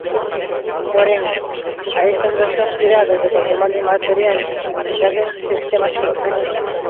Porén, a estas versións tiradas do patrimonio inmaterial, engádense temas propios.